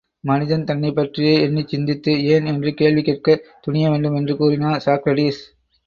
மனிதன் தன்னைப் பற்றியே எண்ணிச் சிந்தித்து, ஏன் என்று கேள்வி கேட்கத் துணிய வேண்டும் என்று கூறினார் சாக்ரடீஸ்.